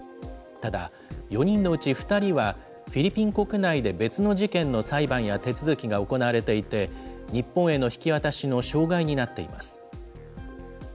ただ４人のうち２人は、フィリピン国内で別の事件の裁判や手続きが行われていて、日本への引き渡しの障害になっています。